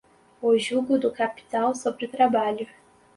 o jugo do capital sobre o trabalho